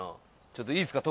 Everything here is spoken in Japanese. ちょっといいですか？